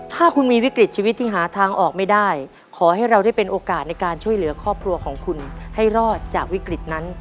ถ้าคุณมีวิกฤตชีวิตที่หาทางออกไม่ได้ขอให้เราได้เป็นโอกาสในการช่วยเหลือครอบครัวของคุณให้รอดจากวิกฤตนั้น